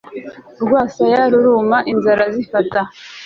Urwasaya ruruma inzara zifata